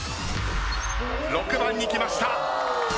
６番に来ました。